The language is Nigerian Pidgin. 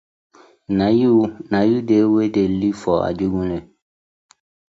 Na yu dey wey dey live for ajegunle.